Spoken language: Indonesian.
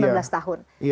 jadi kita harus menikah